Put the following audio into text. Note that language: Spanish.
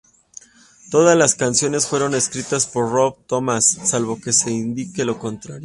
Todas las canciones fueron escritas por Rob Thomas, salvo que se indique lo contrario.